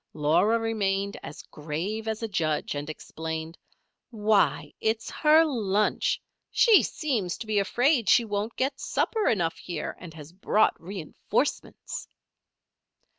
Laura remained as grave as a judge, and explained: "Why, it's her lunch. She seems to be afraid she won't get supper enough here and has brought reinforcements."